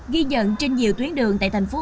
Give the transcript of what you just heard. ghi nhận trên nhiều tuyến đường tại tp hồ chí minh